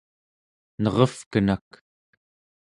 nerevkenak